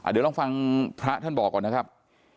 เดี๋ยวลองฟังพระท่านบอกก่อนนะครับ